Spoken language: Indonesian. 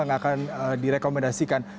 yang akan direkomendasikan